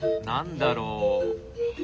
何だろう？